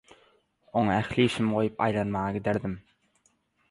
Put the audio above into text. oňa ähli işimi goýup aýlanmaga giderdim.